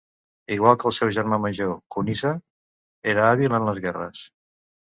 Igual que el seu germà major Kunihisa, era hàbil en les guerres.